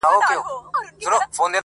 • د پیرانو په خرقوکي شیطانان دي -